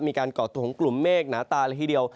มีการเกาะตัวของกลุ่มเมฆหน้าตาละทีเดียว